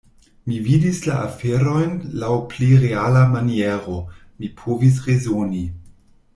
Mi vidis la aferojn laŭ pli reala maniero; mi povis rezoni.